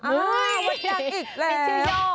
อ้าววัดยางอีกแล้วมีชื่อย่อ